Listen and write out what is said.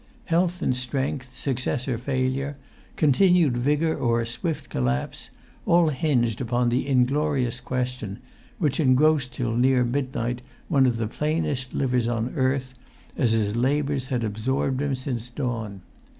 Health and strength, success or failure, continued vigour or a swift collapse, all hinged upon the inglorious question, which engrossed till near midnight one of the plainest livers on earth, as his labours had absorbed him since dawn.